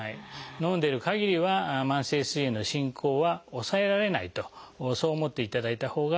飲んでるかぎりは慢性すい炎の進行は抑えられないとそう思っていただいたほうがいいかなと思います。